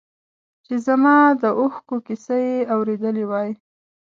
چې زما د اوښکو کیسه یې اورېدی وای.